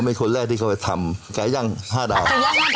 เป็นคนแรกที่เขาไปทำไก่ย่าง๕ดาว